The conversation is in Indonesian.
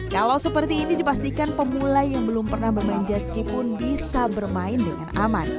kalau seperti ini dipastikan pemulai yang belum pernah bermain jetski pun bisa bermain dengan aman